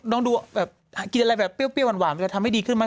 ดูแบบกินอะไรแบบเปรี้ยวหวานมันจะทำให้ดีขึ้นไหม